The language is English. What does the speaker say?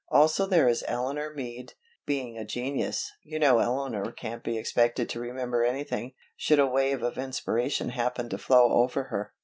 Also there is Eleanor Meade; being a genius, you know Eleanor can't be expected to remember anything, should a wave of inspiration happen to flow over her."